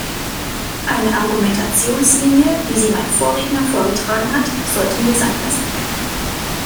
Eine Argumentslinie, wie sie mein Vorredner vorgetragen hat, sollten wir sein lassen.